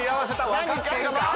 分かっているか？